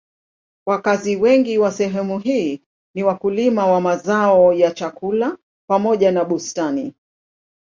Wakazi wengi wa sehemu hii ni wakulima wa mazao ya chakula pamoja na bustani.